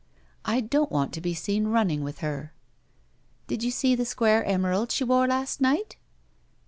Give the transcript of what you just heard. "I don't want to be seen running with her." Did you see the square emerald she wore last night?"